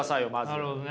なるほどね。